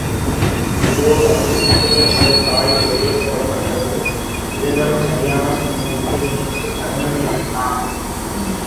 இதோ வந்து விட்டேன் என்று தாய் வெளியே புறப்பட்டதும், இதுதான் சரியான சமயம் என்று நினைத்துக் கண்ணன் எழுந்தான்.